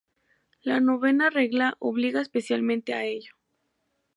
La novena regla obliga especialmente a ello.